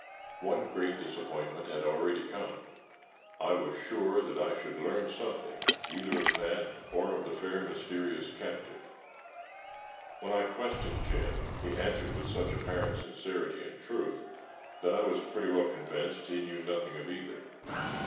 One great disappointment had already come. I was sure that I should learn something either of Nat, or of the fair, mysterious captive. When I questioned Jim, he answered with such apparent sincerity and truth, that I was pretty well convinced he knew nothing of either.